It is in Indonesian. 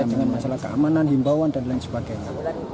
dengan masalah keamanan himbauan dan lain sebagainya